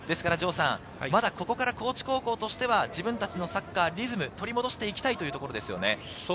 まだここから高知高校としては自分たちのサッカー、リズムを取り戻していきたいというところですね。